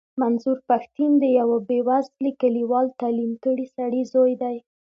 منظور پښتين د يوه بې وزلې کليوال تعليم کړي سړي زوی دی.